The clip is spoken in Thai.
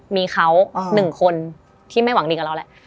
มีเขา๑คนที่ไม่หวังดีกับเราแหละ